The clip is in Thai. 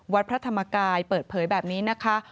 วัดพระธรรมกายเปิดเผยแบบนี้นะคะ